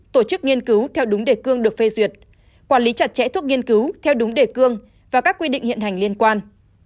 tổ chức nghiên cứu theo đúng đề cương được phê duyệt quản lý chặt chẽ thuốc nghiên cứu theo đúng đề cương và các quy định hiện hành liên quan